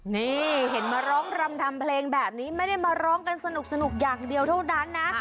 นี่เห็นมาร้องรำทำเพลงแบบนี้ไม่ได้มาร้องกันสนุกอย่างเดียวเท่านั้นนะ